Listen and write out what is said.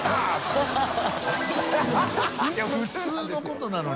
いや普通のことなのに。